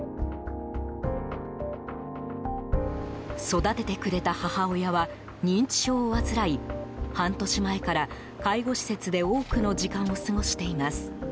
育ててくれた母親は認知症を患い半年前から介護施設で多くの時間を過ごしています。